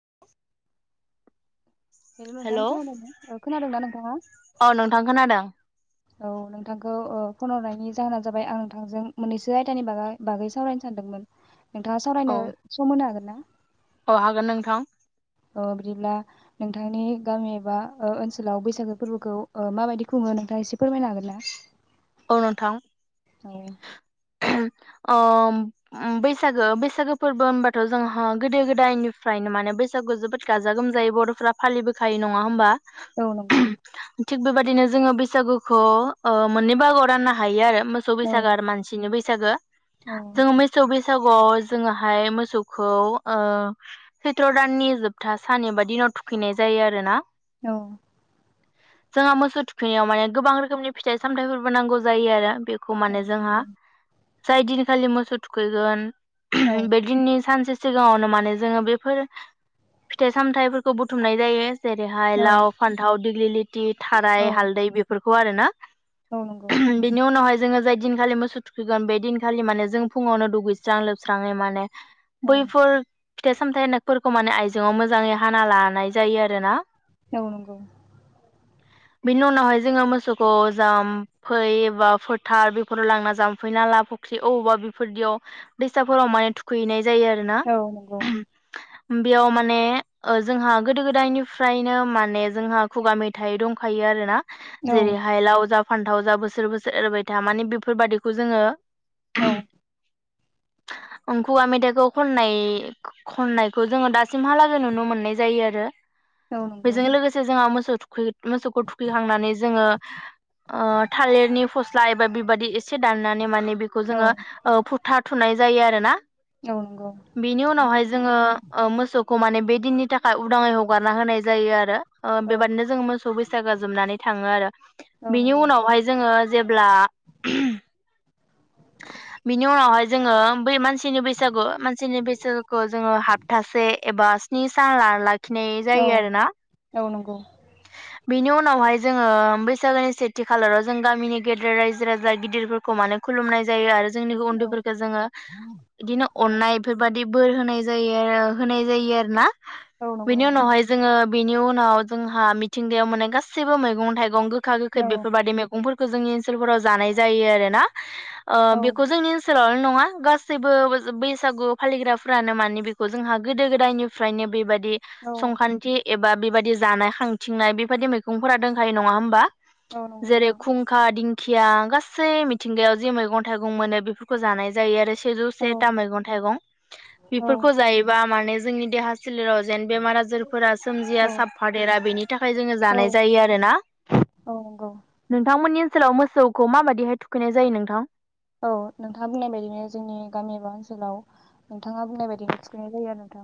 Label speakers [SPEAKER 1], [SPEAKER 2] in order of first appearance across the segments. [SPEAKER 1] [unintelligible]
[SPEAKER 2] Hello नोंथां खोनादों ना औ खोनादोंना नोंथाङा
[SPEAKER 1] औ नोंथां खोनादों
[SPEAKER 2] औ नोंथांखौ ओ। फन हरनायनि जाहोना जाबाय आं नोंथांजों मोननैसो आयदानि बागो बागै सावरायनो सानदोंमोन । नोंथांङा
[SPEAKER 1] औ
[SPEAKER 2] सावरायनो सम होनो हागोन ना ।
[SPEAKER 1] औ हागोन नोंथां
[SPEAKER 2] अ बिदिब्ला नोंथांनि गामि एबा ओ ओनसोलाव बैसागो फोरबोखौ ओ माबायदि खुंङो नोंथांङा एसे फोरमायनो हागोन ना?
[SPEAKER 1] औ नोंथां।
[SPEAKER 2] औ
[SPEAKER 1] ओम बैसागो बैसागो फोरबो होनबाथ' जोंहा गोदो गोदायनिफ्रायनो माने बैसागु जोबोद गाजा गोमजायै बर'फ्रा फालिबोखायो नंङा होमबा ।
[SPEAKER 2] औ नंगौ।
[SPEAKER 1] थिग बेबायदिनो जोंङो बैसागुखौ ओ मोननै बाहागोआव राननो हायो आरो। मोसौ
[SPEAKER 2] औ
[SPEAKER 1] बैसागो मानसिनि बै सागो
[SPEAKER 2] औ
[SPEAKER 1] जोंङो मैसौ बैसा गोआव जोंङोहाय मोसौखौ ओ सैथ्र' दाननि जोबथा सान एबा दिनाव थुखैनाय जायो आरोना ।
[SPEAKER 2] औ
[SPEAKER 1] जोंहा मोसौ थुखैनायाव माने गोबां रोखोमनि फिथाइ सामथायफोर बो नांगौ जायो आरो बे खौ
[SPEAKER 2] औ
[SPEAKER 1] माने जोंहा
[SPEAKER 2] नंगौ
[SPEAKER 1] जाय दिनखालि मोसौ थुखैगोन
[SPEAKER 2] औ
[SPEAKER 1] बै दिननि सानसे सिगांङावनो माने जोंङो बेफोर फिथाइ सामथाइफोरखौ बुथुमनाय जायो । जेरैहाय
[SPEAKER 2] औ
[SPEAKER 1] लाव फानथाव दिगलि लि दि थाराय हालदै बेफोरखौ हु आरो ना
[SPEAKER 2] औ नंगौ
[SPEAKER 1] बिनि उनावहाय जोङो जाय दिनखालि मोसौ थुखैगोन बे दिनखालि माने जों फुङावनो दुगैस्रां लोबस्राङै माने
[SPEAKER 2] औ
[SPEAKER 1] बैफोर फिथाइ सामथाइ होनाय फोर खौ माने आइजोआव मोजाङै हाना लानाय जायो आरोना।
[SPEAKER 2] नौ नंगौ।
[SPEAKER 1] बिनि उनावहाय जोङो मोसौखौ जाम फै एबा फोथार बेफोराव लांना जामफै नाला फुख्रि अबावबा बेफोरदियाव दैसाफोराव माने थुखैनाय जायो आरोना।
[SPEAKER 2] औ नंगौ
[SPEAKER 1] बेयाव माने ओ जोंहा गोदो गोदायनिफ्रायनो माने जोंहा खुगा मेथाइ दंखायो आरोना
[SPEAKER 2] औ
[SPEAKER 1] जेरै लावजाब लाव जा बोसोर बोसोर एरबाय था माने बेफोरबायदिखौ जोङो
[SPEAKER 2] औ
[SPEAKER 1] अंखुवा मेथाइखौ खननाय खननायखौ जोङो दास सिमहालागै नुनो मोननाय जायो आरो
[SPEAKER 2] औ नंगौ
[SPEAKER 1] बेजों लोगोसे जोंआ मोसुत थुखैट मोसौखौ थुखैखांनानै जोङो ओ थालिरनि फस्ला एबा बेबादि एसे दाननानै मानेब बेखौ
[SPEAKER 2] औ
[SPEAKER 1] जोङो ओ फुट थाथुनाय जायो आरो ना
[SPEAKER 2] औ नंगौ
[SPEAKER 1] बेनि उनावहाय जोङो ओ मोसौक क माने बे दिननि थाखाय उदाङै हगारना होनाय जायो आरो अ
[SPEAKER 2] औ
[SPEAKER 1] बेबादनो जोङो मोसौ बैस सागोआ जोबनानै थाङो आरो
[SPEAKER 2] औ
[SPEAKER 1] बिनि
[SPEAKER 2] नंगौ
[SPEAKER 1] उनावहाय जोङो जेब्ला बिनि उनावहाय जोङो बै मानसि टिनि बैसागु मानसिनि बैसागुखौ जोङो हाबथासे एबास [unintelligible] थिनाय
[SPEAKER 2] औ
[SPEAKER 1] जायो आरो ना
[SPEAKER 2] औ नंगौ
[SPEAKER 1] बिनि उनावहाय जोङो बैसागोनि सेथि खालाराव जों गामिनि गेदेर रायजो राजा गिदिरफोरखौ मानोख खुलुमनाय जायो आरो जोंनिबो
[SPEAKER 2] औ
[SPEAKER 1] उन्दैफोरखौ जोङो बिदिनो
[SPEAKER 2] औ
[SPEAKER 1] अननाय बेफोरबायदिब बोर होनाय जायो आरो होनाय जायो आरो ना
[SPEAKER 2] औ नंगौ
[SPEAKER 1] बेनि
[SPEAKER 2] नोंथां
[SPEAKER 1] उनावहाय जोङो बेनि उनाव जोंहा मिथिंगायाव मोननाय गासैबो मैगं थाइगं गो खा गोखै
[SPEAKER 2] औ
[SPEAKER 1] बेफोरबायदि मैगं फोर खो जोंनि ओनसोलफोराव जानाय जायो आरो ना ओ
[SPEAKER 2] औ
[SPEAKER 1] बेखौ जोंनि ओनसो सोलावल' नङा गासैबो बैसागु फालिग्राफोरानो माने बेखौ जोंहा गोदो गोदायनिफ्रायनो बेबा दि
[SPEAKER 2] औ
[SPEAKER 1] संख्रान्ति एब बा बेबायदि जानाय खांथिंनाय बेबायदि मैगंफोरा दंखायो नङा होमबा
[SPEAKER 2] औ नंगौ
[SPEAKER 1] जेरै
[SPEAKER 2] नोंथां
[SPEAKER 1] खुुंखां दिं खिया गासै मि थिंगायाव जे मैगं थाइगं मोनो बेफोरखौ जानाय जायो आरो सेजौ
[SPEAKER 2] औ
[SPEAKER 1] सेथा मैगं थाइगं बेफोरखौ जायोबा माने जोंनि देहा सोलेराव जेन बेमार आजारफोरा सोमजिया
[SPEAKER 2] औ
[SPEAKER 1] साबफादेरा बेनि थाखाय जोङो
[SPEAKER 2] औ
[SPEAKER 1] जानाय जायो आरोना
[SPEAKER 2] औ नंगौ
[SPEAKER 1] नोंथांमोननि सोलाव मोसौखौ माबायदिहाय थु खैनाय जायो नोंथां?
[SPEAKER 2] औ नोंथाङा बुंनाय बायदिनो जोंनि गामि एबा ओनसोलाव नोंथाङा बुंनाय बायदिनो थुखैनाय जायो आरो नोंथां।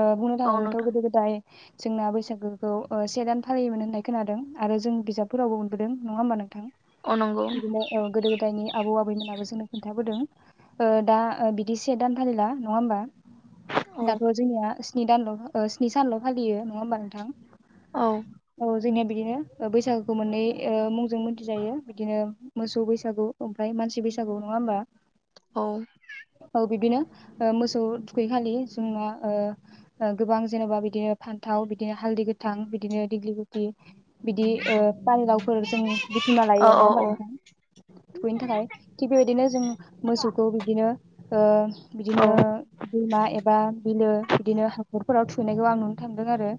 [SPEAKER 2] ओ‌ बुंनो
[SPEAKER 1] औ
[SPEAKER 2] थाङोब्लाथ'
[SPEAKER 1] नोंथां
[SPEAKER 2] गोदो गोदाय जोंना बैसागोखौ ओ से दान फालियोमोन होननाय खोनादों आरो जों बिजाबफोरावबो मोनबोदों नङा होमबा नोंथां?
[SPEAKER 1] औ नंगौ
[SPEAKER 2] बिदिनो औ गोदो गोदायनि आबौ आबैमोन मोनाबो जोंनो खोन्थाबोदों दा ओ बिदि से दान फालिला नङा होमबा?
[SPEAKER 1] औ
[SPEAKER 2] दाथ' जोंनिया सि नि दानल' स्नि सानल' फालियो नङा होमबा नोंथां?
[SPEAKER 1] औ।
[SPEAKER 2] औ जोंनिया बिदिनो बैसागोखौ मोननै ओ मुंजों मिथिजायो बिदिनो मोसौ बैसागु ओमफ्राय मानसि बैसा गु नङा होमबा?
[SPEAKER 1] औ
[SPEAKER 2] औ बिद्बिनो। ओ‌ मोसौ थुखैखालि जोंना ओ‌ ओ गोबां जेनोबा बिदिनो फान्थाव बिदिनो हालदै गोथां बिदिनो दिग्लि गुथि बिदि ओ फानलावफोर जों बुथुमना लायो नङा होमबा
[SPEAKER 1] औ
[SPEAKER 2] नोंथां थुखैनो थाखाय। थिग बेबायदिनो जों मोसौखौ बिब्दिनो ओ बिदिनो दैमा एबा बिलो बिदिनो हाखर फोराव थुखैनायखौ आं नुनो थांदों आरो।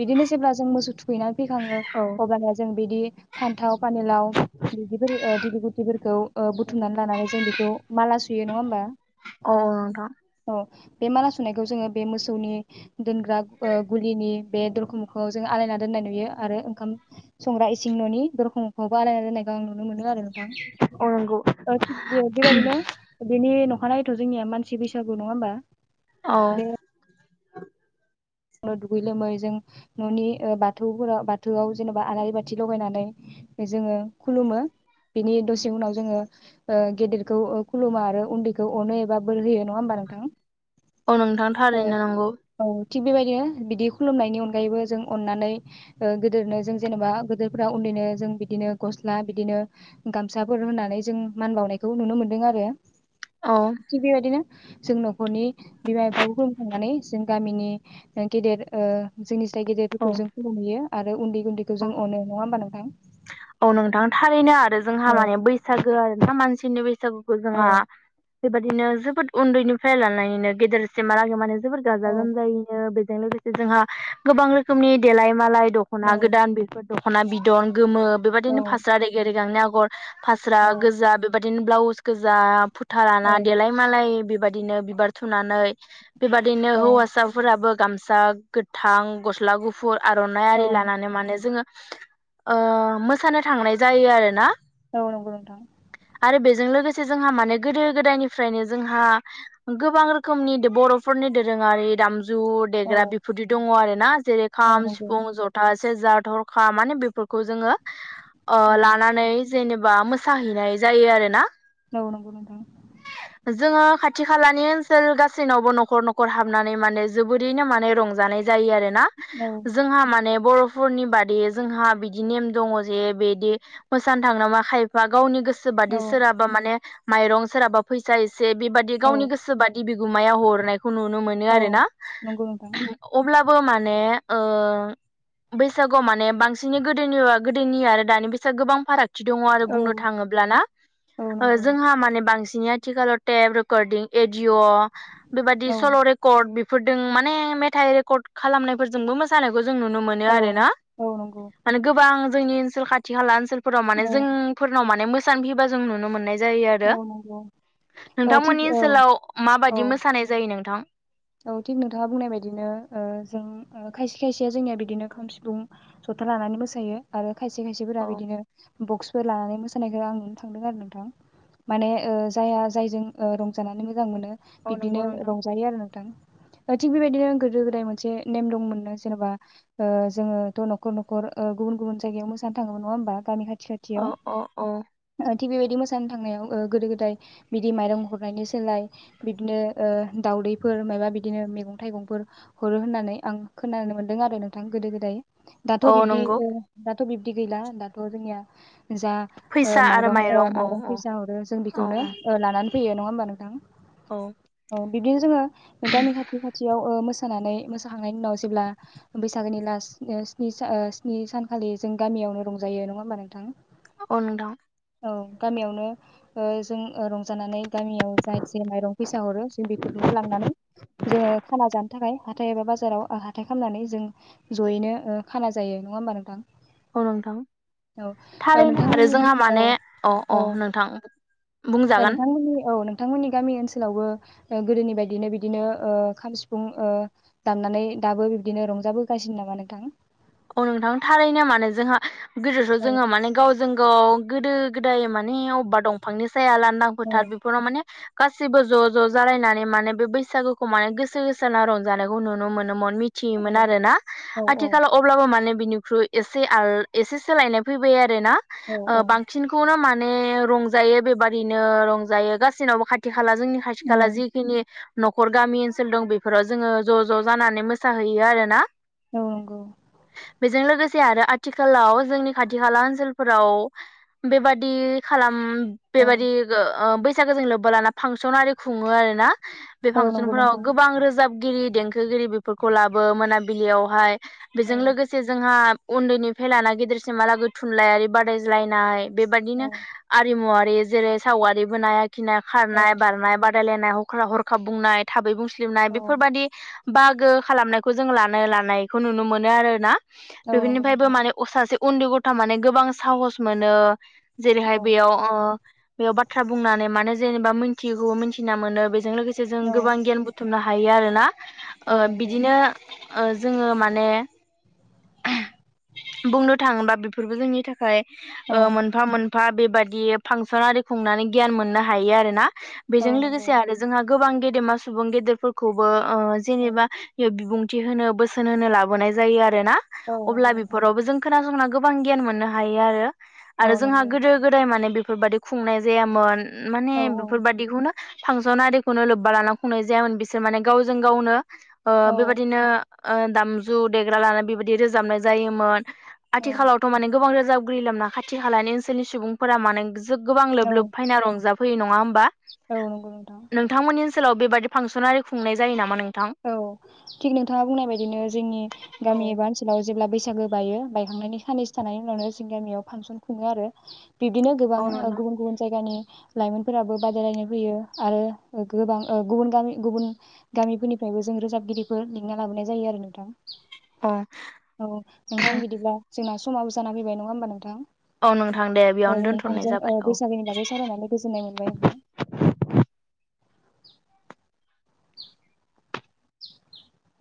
[SPEAKER 2] बिदिनो जेब्ला जों मोसौ थुखैनानै फैखाङो
[SPEAKER 1] औ
[SPEAKER 2] अब्लानिया जों बिदि फान्थाव फानिलाव बिदिफोर दिलि गुथिफोरखौ ओ बुथुमनानै लानानै जों बेखौ माला सुयो नङा होमबा
[SPEAKER 1] औ नोंथां
[SPEAKER 2] औ। बे माला सुनायखौ जोङो बे मोसौनि दोनग्रा ओ गुलिनि बे दरखं मोखाङाव जोङो आलायना दोननाय नुयो आरो ओंखाम संग्रा इसिं न'नि दरखं मोखाङावबो आलायना दोननायखौ आं नु नुनो मोनो आरो नोंथां।
[SPEAKER 1] औ नंगौ
[SPEAKER 2] ओ थिग बियो बेबायदिनो बिनि न' अखानायैथ' जोंनिया मानसि बैसागु नङा होमबा?
[SPEAKER 1] औ।
[SPEAKER 2] नो दुगै लोमै जों न'नि ओ बाथौफोराव बाथौआव जेन'बा आलारि बाथि लगायनानै जोङो खुलुमो बिनि दसे उनाव जोङो ओ गेदेरखौ खुलुमो आरो उन्दैखौ अनो एबा बोर होयो नङा होमबा नोंथां?
[SPEAKER 1] औ नोंथां
[SPEAKER 2] औ
[SPEAKER 1] थारैनो नंगौ।
[SPEAKER 2] औ थिग बेबायदिनो बिदि खुलुमनायनि अनगायैबो जों अननानै गोदोरनो जों जेन'बा गोदोरफ्रा उन्दैनो जों बिदिनो गस्ला बिदिनो गामसाफोर होनानै जों मान बावनायखौ नुनो मोनदों आरो।
[SPEAKER 1] औ
[SPEAKER 2] थिग बेबायदिनो जों न'खरनि बिमा बिफाखौ खुलुमखांनानै जों गामिनि गेदेर ओ जोंनि जाय
[SPEAKER 1] औ
[SPEAKER 2] गेदेरफोरखौ जों खुुलुमहैयो आरो उन्दै उन्दैखौ
[SPEAKER 1] औ
[SPEAKER 2] जों अनो नङा होमबा नोंथां?
[SPEAKER 1] औ नोंथां थारैनो आरो। जोंहा
[SPEAKER 2] औ
[SPEAKER 1] माने बैसागो आरो ना? मानसिनि बै बैसागुखौ
[SPEAKER 2] औ
[SPEAKER 1] जोङा बेबायदिनो जोबोद उन्दैनिफ्राय लानानैनो गेदेरसिमहालागे माने बेफोर गाजा
[SPEAKER 2] औ
[SPEAKER 1] गोमजायैनो बे जों लोगोसे जोंहा गोबां रोखोमनि देलाय मालाय।
[SPEAKER 2] औ
[SPEAKER 1] दख'ना गोदान बेफोर दख'ना बिदन गोमो
[SPEAKER 2] औ
[SPEAKER 1] बेबायदिनो फास्रा रेगे रेगांनि आगर फास्रा
[SPEAKER 2] औ
[SPEAKER 1] गोजा बेबादि बिदिनो ब्लाउस गोजा फु थालाना
[SPEAKER 2] औ
[SPEAKER 1] देलाय मालाय बिफ बेबायदिनो बिबार थुनानै बेबादिनो
[SPEAKER 2] औ
[SPEAKER 1] हौवासाफोराबो गामसा गोथां गस्ला गुफुर आर'नाइ आरि
[SPEAKER 2] औ
[SPEAKER 1] लानानै जोङो ओ मोसानो थांनाय जायो आरोना।
[SPEAKER 2] औ नंगौ नोंथां
[SPEAKER 1] आरो बेजों लोगोसे जोंहा माने गोदो गोदायनिफ्रायनो जोंहा गोबां रोखोमनि बर'फोरनि दोरोङारि दाम जु
[SPEAKER 2] औ
[SPEAKER 1] देग्रा बेफोरदि दङ आरो ना जेरै
[SPEAKER 2] औ
[SPEAKER 1] खाम
[SPEAKER 2] नंगौ
[SPEAKER 1] सिफुं जथा सेरजा थरखा माने बेफोरखौ जोङो। ओ
[SPEAKER 2] औ
[SPEAKER 1] लानानै जेनेबा मो साहैनाय जायो आरो ना जोङो
[SPEAKER 2] औ
[SPEAKER 1] खाथि खालानि ओनसोल गासैनावबो न'खर न'खर हाबनानै माने जोबोरैनो माने रंजानाय। जायो आरोना
[SPEAKER 2] औ
[SPEAKER 1] जोंहा माने बर'फ फोरनि बादि जोंहा बिदि नेम दङ जे बिदि मोसानो थां नामा खायफा गावनि गोसो सो
[SPEAKER 2] औ
[SPEAKER 1] बादि सोराबा माने माइरं सोरहाबा फैसा ए बे बेबादि
[SPEAKER 2] औ
[SPEAKER 1] गावनि गोसो बि गुमाया हरनाय खौ नुनो मोन
[SPEAKER 2] औ
[SPEAKER 1] आरोना।
[SPEAKER 2] नंगौ नोंथां
[SPEAKER 1] अब्ला बो माने ओ बैसागुआव माने बांसिनै गोदोनि गोदोनि आरो दानि बैसाग गोबां फाराग- थि दङ आरो
[SPEAKER 2] औ
[SPEAKER 1] बुंनो थाङोब्ला ना।
[SPEAKER 2] औ नंगौ
[SPEAKER 1] जोंहा माने बांसिन बिनि आथिखालाव टेब रेकर्डिं एडिअ'। बेबायदि
[SPEAKER 2] औ
[SPEAKER 1] सल' रेकर्ड बिफ फोरदों माने मेथाइ रेकर्ड खालामनायफोरजोंबो मोसानायखौ जों नुनो मोनो
[SPEAKER 2] औ
[SPEAKER 1] आरो ना ।
[SPEAKER 2] औ नंगौ
[SPEAKER 1] माने गोबां जोंनि ओनसोल खाथि खाला ओनसोल- फोराव माने
[SPEAKER 2] औ
[SPEAKER 1] जोंफोरनाव माने मो थामहिनबा जों नुनो मोननाय जायो आरो।
[SPEAKER 2] औ नंगौ ओ थिग
[SPEAKER 1] नोंथांमोननि
[SPEAKER 2] औ
[SPEAKER 1] ओनसोलाव
[SPEAKER 2] औ
[SPEAKER 1] माबायदि मोसानाय जायो नोंथां?
[SPEAKER 2] औ थिग नोंथाङा बुंनाय बायदिनो ओ जों खायसे खायसे जोंनिया बिदिनो खाम सिफुं जथा लानानै मोसायो आरो खायसे खायसेफोरा
[SPEAKER 1] औ
[SPEAKER 2] बिदिनो बक्सफोर लानानै मोसानायखौ आं नुनो थांदों आरो नोंथां । माने ओ जायहा जायजों ओ रंजानानै मोजां मोनो
[SPEAKER 1] औ नंगौ
[SPEAKER 2] बिब्दिनो
[SPEAKER 1] नोंथां
[SPEAKER 2] रंजायो आरो नों थिग बेबायदिनो गोदो-गोदाय मोनसे नेम दंमोननो जेनेबा जोङोथ' न'खर न'खर गुबुन गुबुन जायगायाव मोसानो थाङोमोन नङा होमबा गामि खाथि- खाथियाव
[SPEAKER 1] अ अ अ।
[SPEAKER 2] ओ थिग बेबायदि मोसानो थांनायाव गोदो-गोदाय बिदि माइरं हरनायनि सोलाय बिदिनो ओ दाउदै- फोर माबा बिदिनो मैगं-थाइगंफोर हरो होननानै आं खोनानो मोन्दों आरो नोंथां गोदो-गोदाय। दाथ'
[SPEAKER 1] औ
[SPEAKER 2] बिब्दि
[SPEAKER 1] नंगौ
[SPEAKER 2] ओ दाथ' बिब्दि गैला दाथ' जोंनिया जा ओ
[SPEAKER 1] फैसा आरो
[SPEAKER 2] माइरं ओ
[SPEAKER 1] औ
[SPEAKER 2] माइरं फैसा हरो जों
[SPEAKER 1] औ
[SPEAKER 2] बेखौनो
[SPEAKER 1] औ
[SPEAKER 2] ओ लानानै- फैयो नंङा होमबा नोंथां।
[SPEAKER 1] औ
[SPEAKER 2] बिदिनो जोङो गामि खाथि-खाथियावो ओ मोसा- मोसानानै मोसाखांनायनि उनाव जेब्ला बैसागोनि लास् स्नि सानखालि जों गामियावनो रंजायो नङा होमबा नोंथां
[SPEAKER 1] अ नोंथां
[SPEAKER 2] औ गामियावनो जों रं जानानै गामियाव जाय जसे माइरं फैसा हरो जों बेफोरखौनो लां जोङो खाना जानो थाखाय हाथाय एबा बाजाराव हाथाइ खामनानै जों जयैनो खाना जायो नङा होमबा नोंथां
[SPEAKER 1] औ नोंथां
[SPEAKER 2] औ ओ
[SPEAKER 1] थारैनो आरो
[SPEAKER 2] नोंथांमोननि
[SPEAKER 1] जोंहा
[SPEAKER 2] औ
[SPEAKER 1] माने अ
[SPEAKER 2] औ
[SPEAKER 1] अ नोंथां बुंजागोन
[SPEAKER 2] नोंथांमोननि औ नोंथांमोननि गामि ओनसोलावबो गोदोनि बायदिनो बिदिनो खाम सिफुं दामनानै दाबो बिबदिनो रंजाबोगासिनो नामा नोंथां
[SPEAKER 1] औ नोंथां थारैनो मानो जोंहा गोदोथ'
[SPEAKER 2] औ
[SPEAKER 1] जोङो माने गावजों गाव गोदो गोदाय माने अबेबा दंफांनि साया लांदां
[SPEAKER 2] औ
[SPEAKER 1] फोथार बेफोराव माने गासिबो ज' ज' जालायनानै माने बे बैसागुखौ माने गोसो होसारना रंजानायखौ नुनो मोनो मिथियोमोन
[SPEAKER 2] औ
[SPEAKER 1] आरोना
[SPEAKER 2] औ
[SPEAKER 1] आथिखालाव अब्लाबो माने बिनिख्रुइ एसे सोलायनाय फैबाय आरो ना
[SPEAKER 2] औ औ
[SPEAKER 1] बांसिनखौनो माने रंजायो बेबादिनो रंजायो गासिनावबो खाथि खाथि खाला जोंनि खाथि
[SPEAKER 2] औ
[SPEAKER 1] खाला जिखिनि न'खर गामि ओनसोल दं बेफोराव जोङो ज' ज' जानानै मोसाहैयो आरोना
[SPEAKER 2] औ
[SPEAKER 1] बेजों लोगोसे आरो आथिखालाव जोंनि खाथि खाला ओनसोलफोराव बेबादि खालाम
[SPEAKER 2] औ
[SPEAKER 1] बेबायाददि बैसागोजों लोब्ब लाना फांसन आरि खुङो आरोना बे
[SPEAKER 2] औ नंगौ
[SPEAKER 1] फांसनफोराव
[SPEAKER 2] नोंथां
[SPEAKER 1] गोबां रोजाबगिरि, देंखोगिरि बेफोरखौ लाबो मोनाबिलियावहाय
[SPEAKER 2] औ
[SPEAKER 1] बेजों लोगोसे जोंहा उन्दैनिफ्राय लाना गेदेरसिमहालागै थुनलाइयारि बादायज्लायनाय बेबायादिनो
[SPEAKER 2] औ
[SPEAKER 1] आरिमुवा होयो जेरै सावगारि बोनाय खिनाय खारनाय
[SPEAKER 2] औ
[SPEAKER 1] बारनाय बा बादायलायनाय हख्रा हरखाब बुंनाय थाबै बुं नाय
[SPEAKER 2] औ
[SPEAKER 1] बेफोरबादि बाहागो खालामनायखौ जों लानो लानायखौ नुनो मोनो आरो ना
[SPEAKER 2] औ नंगौ
[SPEAKER 1] बेफोरनिफ्रायबो
[SPEAKER 2] नोंथां
[SPEAKER 1] माने अ सासे उन्दै गथ'आ माने गोबां साहस मोनो
[SPEAKER 2] औ
[SPEAKER 1] जेरैहाय बेयाव ओ बेयाव बाथ्रा बुंनानै माने जेनेबा मिथिगौ मिथिना मोनो बेजों लोगोसे जों
[SPEAKER 2] औ
[SPEAKER 1] गोबां गियान बुथुमनो हायो हायो आरो ना ओ
[SPEAKER 2] औ नंगौ
[SPEAKER 1] बिदिनो ओ जोङो माने [unintelligible] बुंनो थाङोबा बेफोरबो जोंनि थाखाय
[SPEAKER 2] औ
[SPEAKER 1] ओ मोनफा मोन बफा बेबायदि फांसन आरि खुंनानै गियान मोननो हायो आरोना।
[SPEAKER 2] औ
[SPEAKER 1] बेजों
[SPEAKER 2] नंगौ
[SPEAKER 1] लोगोसे आरो जोंहा गोबां गेदेमा सुबुं गेदेरफोरखौबो ओ
[SPEAKER 2] औ
[SPEAKER 1] जेनेबा बिबुं थि होनो बोसोन होनो लाबोनाय जायो आरो ना
[SPEAKER 2] औ नंगौ
[SPEAKER 1] अब्ला
[SPEAKER 2] नोंथां
[SPEAKER 1] बेफोरावबो जों खोनासंनांगौ गोबां गियान मोननो हायो आरो
[SPEAKER 2] औ
[SPEAKER 1] आरो जोंहा
[SPEAKER 2] नंगौ
[SPEAKER 1] गोदो गोदाय माने बे फोरबायादि खुंनाय जायामोन माने
[SPEAKER 2] औ
[SPEAKER 1] बेफोरबादिखौनो फांसन आरिखौनो लोब्बा लानां खुंनाय जायामोन बिसोर माने गावजों गावनो ओ
[SPEAKER 2] औ
[SPEAKER 1] बेबादिनो आ दामजु देग्रा लानानै बेबायदि रोजाबनाय जायोमोन
[SPEAKER 2] औ
[SPEAKER 1] आथिखालावथ' माने गोबां रो जावग्रि लामा खाथि खालानि ओनसोलनि सुबुंफोरा मानो गोबां लोब
[SPEAKER 2] औ
[SPEAKER 1] लोब फायना रंजा फैयो नङा होमबा!
[SPEAKER 2] औ नंगौ नोंथां।
[SPEAKER 1] सोलाव बेबायदि फांसनारि खुंनाइ जायो नामा नों
[SPEAKER 2] औ थिग नोंथाङा बुंनाय बायदिनो जों
[SPEAKER 1] औ
[SPEAKER 2] नि एबा ओनसाव जेब्ला बैसा बैसागो बायो बायखांनायनि साननैस थानायनि उनावनो जोंनि गामियाव फांसन खुङो आरो बिदिनो गोबां
[SPEAKER 1] औ नोंथां
[SPEAKER 2] गुबुन गुबुन जायगानि लाइमोनफोराबो बादायलायनाय फैयो आरो गोबां गुबुन गामि गुबुन गामिफो फ्रायबो जों रोजाबगिरिफोर लिंना लाबोनाय जायो आरो नोंथां ।
[SPEAKER 1] [unintelligible]
[SPEAKER 2] औ नोंथां बिदिब्ला जोंना स समाबो जा फैबाय नङा होनबा नोंथां
[SPEAKER 1] औ नोंथां दे
[SPEAKER 2] । औ
[SPEAKER 1] बेयावनो दोनथ'नाय
[SPEAKER 2] नोंथांजों ओ
[SPEAKER 1] जाबाय औ।
[SPEAKER 2] बैसागोनि बागै सावरायनानै गोजोननाय मोनबाय नोंथां ।